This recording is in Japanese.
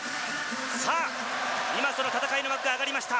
さあ、今その戦いの幕が上がりました。